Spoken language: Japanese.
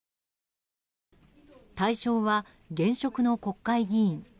対象は、現職の国会議員。